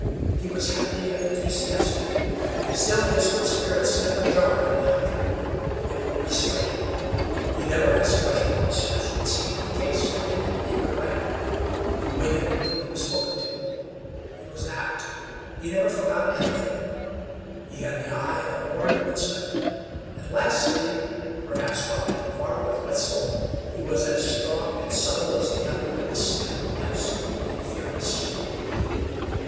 He was happy and enthusiastic, still his good spirits never jarred on the hunter; they were restrained. He never asked questions, as would seem the case in any eager lad; he waited until he was spoken to. He was apt; he never forgot anything; he had the eye of a born woodsman, and lastly, perhaps what went far with Wetzel, he was as strong and supple as a young lynx, and absolutely fearless.